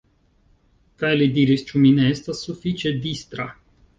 Kaj li diris: "Ĉu mi ne estas sufiĉe distra?